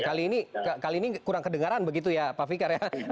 kali ini kurang kedengaran begitu ya pak fikar ya